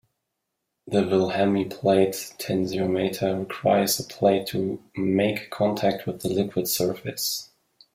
The Wilhelmy Plate tensiometer requires a plate to make contact with the liquid surface.